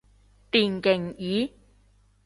電競椅